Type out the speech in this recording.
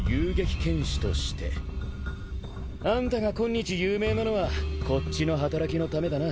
あんたが今日有名なのはこっちの働きのためだな。